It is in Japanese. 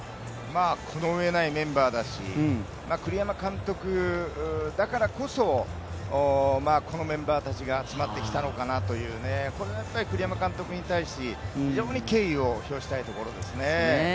このうえないメンバーだし、栗山監督だからこそこのメンバーたちが集まってきたのかなというね、これは栗山監督に対し非常に敬意を表したいところですね。